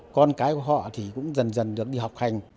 con cái của họ thì cũng dần dần được đi học hành